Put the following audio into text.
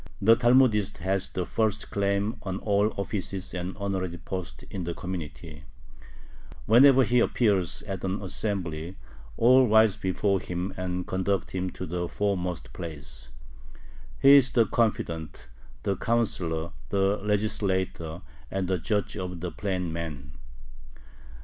The Talmudist has the first claim on all offices and honorary posts in the community. Whenever he appears at an assembly, all rise before him, and conduct him to the foremost place. He is the confidant, the counselor, the legislator, and the judge of the plain man.